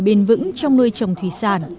bền vững trong nuôi trồng thủy sản